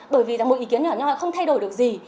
bởi vì là một ý kiến nhỏ nhỏ không thay đổi được gì